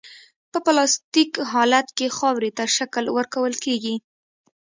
په پلاستیک حالت کې خاورې ته شکل ورکول کیږي